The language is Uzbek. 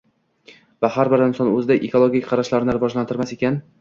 va har bir inson o‘zida ekologik qarashlarni rivojlantirmas ekan